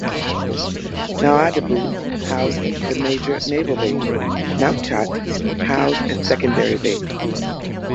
Nouadhibou housed the major naval base; Nouakchott housed a secondary base.